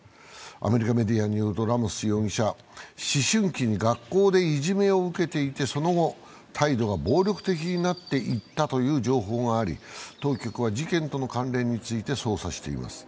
アメリカメディアによると、ラモス容疑者、思春期で学校でいじめを受けていてその後、態度が暴力的になっていったという情報があり、当局は事件との関連について捜査しています。